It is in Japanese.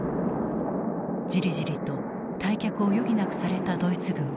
じりじりと退却を余儀なくされたドイツ軍はある作戦を行う。